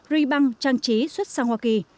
ri băng trang trí xuất sang hoa kỳ